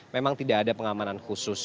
memang tidak ada pengamanan khusus